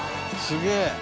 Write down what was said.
すげえ。